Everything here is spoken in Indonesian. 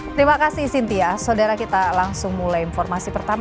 terima kasih cynthia saudara kita langsung mulai informasi pertama